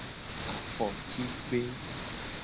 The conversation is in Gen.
Afotigbe.